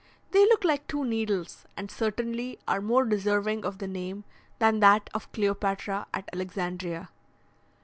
They look like two needles, and certainly are more deserving of the name than that of Cleopatra at Alexandria.